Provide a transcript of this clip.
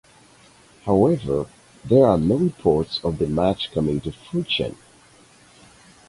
However there are no reports of the match coming to fruition.